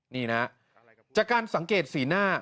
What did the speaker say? จากการสังเกตภาษีด้านหน้า